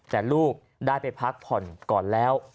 แต่ลูกได้ไปพักผ่อนก่อนแล้ว